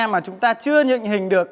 mà chúng ta chưa nhận hình được